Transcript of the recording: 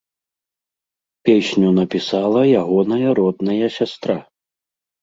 Песню напісала ягоная родная сястра.